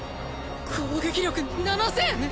攻撃力７０００！？